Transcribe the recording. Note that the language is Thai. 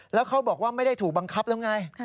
แล้วเขาบอกว่าไม่ได้ถูกบังคับแล้วไง